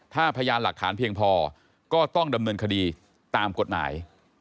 ถ้าพยานหลักฐานเพียงพอก็ต้องดำเนินคดีตามกฎหมาย